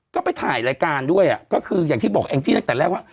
ก็ไปถ่ายรายการด้วยก็คืออย่างที่บอกแองจี้ตั้งแต่แรกว่า